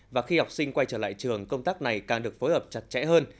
và khi học sinh quay trở lại trường công tác này càng được phối hợp chặt chẽ hơn